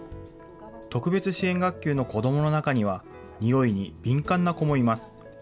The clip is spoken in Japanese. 特別支援学級の子どもの中には、匂いに敏感な子もいます。